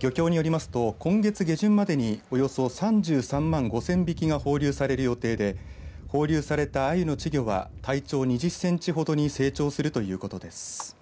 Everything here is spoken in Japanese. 漁協によりますと今月下旬までにおよそ３３万５０００匹が放流される予定で放流されたあゆの稚魚は体長２０センチほどに成長するということです。